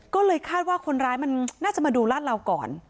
ก็เลยคาดว่าคนร้ายมันน่าจะมาดูลาดเหลาก่อน